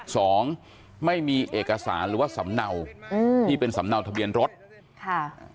สองไม่มีเอกสารหรือว่าสำเนาอืมที่เป็นสำเนาทะเบียนรถค่ะ